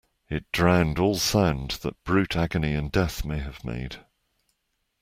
It drowned all sound that brute agony and death may have made.